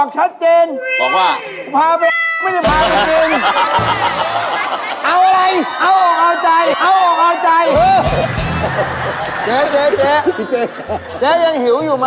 เจ๊ยังหิวอยู่ไหม